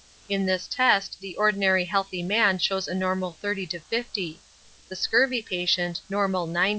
In this test the ordinary healthy man shows normal 30 to 50: the scurvy patient normal 90.